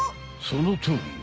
そのとおり！